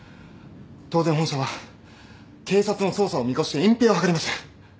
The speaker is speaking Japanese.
当然本社は警察の捜査を見越して隠蔽を図ります。